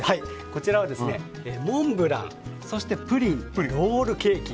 こちらはモンブラン、プリンロールケーキ